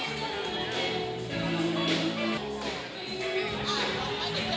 ต่ำด้วยงงไปหมด